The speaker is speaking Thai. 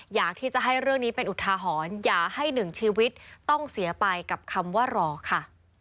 อยากที่จะให้เรื่องนี้เป็นอุทาหรณ์อย่าให้หนึ่งชีวิตต้องเสียไปกับคำว่ารอค่ะ